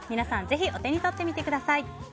ぜひ、お手に取ってみてください。